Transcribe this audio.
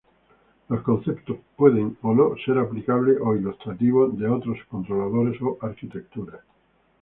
Los conceptos pueden o no ser aplicables o ilustrativos de otros controladores o arquitecturas.